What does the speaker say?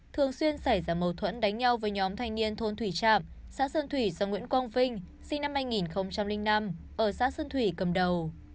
thường xuyên xảy ra mâu thuẫn đánh nhau với nhóm thanh niên thôn thủy trạm xã sơn thủy do nguyễn quang vinh sinh năm hai nghìn năm ở xã sơn thủy cầm đầu